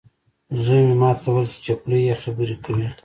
زوی مې ماته وویل چې چپلۍ یې خبرې کوي.